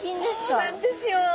そうなんですよ。